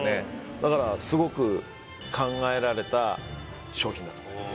だからすごく考えられた商品だと思います